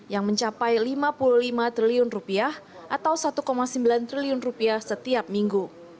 yang mencapai rp lima puluh lima triliun atau rp satu sembilan triliun setiap minggu